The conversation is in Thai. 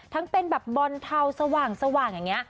เป็นแบบบอลเทาสว่างอย่างนี้